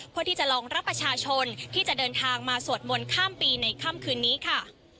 เพื่อที่จะรองรับประชาชนที่จะเดินทางมาสวดมนต์ข้ามปีในค่ำคืนนี้ค่ะ